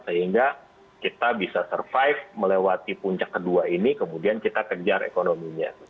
sehingga kita bisa survive melewati puncak kedua ini kemudian kita kejar ekonominya